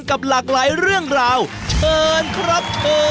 ขอบคุณครับ